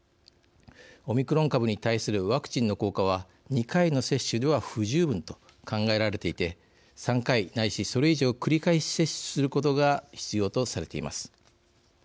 オミクロン株に対するワクチンの効果は２回の接種では不十分と考えられていて３回ないし、それ以上繰り返し接種することが必要とされています。